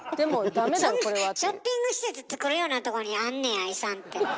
そんなショッピング施設つくるようなとこにあんねや遺産って。